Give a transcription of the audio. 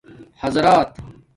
حاضرات